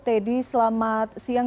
teddy selamat siang